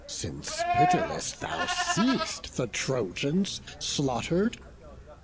since pitiless thou see'st The Trojans slaughter'd?